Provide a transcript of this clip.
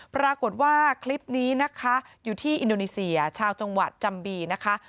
ปรากฏว่าคลิปนี้นะคะอยู่ที่อินโดนีเซียชาวจังหวัดจัมบีนะคะ